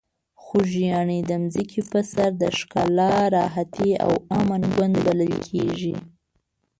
خوږیاڼي د ځمکې په سر د ښکلا، راحتي او امن ګوند بلل کیږي.